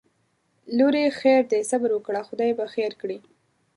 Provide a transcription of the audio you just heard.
لورې خیر دی صبر وکړه خدای به خیر کړي